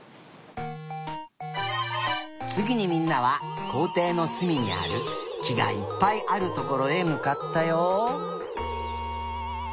つぎにみんなはこうていのすみにあるきがいっぱいあるところへむかったよ。